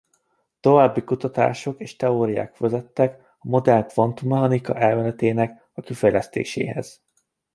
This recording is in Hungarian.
További kutatások és teóriák vezettek a modern kvantummechanika elméletének a kifejlesztéséhez.